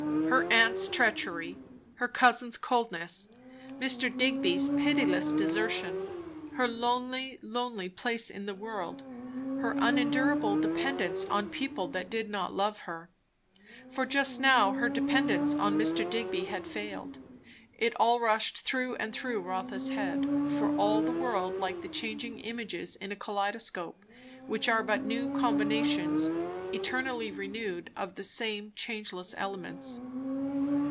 Her aunt's treachery, her cousin's coldness, Mr. Digby's pitiless desertion, her lonely, lonely place in the world, her unendurable dependence on people that did not love her; for just now her dependence on Mr. Digby had failed; it all rushed through and through Rotha's head, for all the world like the changing images in a kaleidoscope, which are but new combinations, eternally renewed, of the same changeless elements.